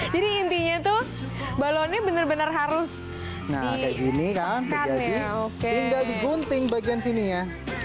jadi intinya tuh balonnya bener bener harus nah kayak gini kan tinggal digunting bagian sininya